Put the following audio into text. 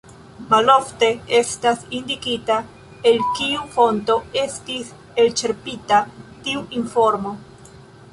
Malofte estas indikita el kiu fonto estis elĉerpita tiu informo.